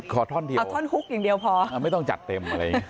ท่อนเดียวขอท่อนฮุกอย่างเดียวพอไม่ต้องจัดเต็มอะไรอย่างนี้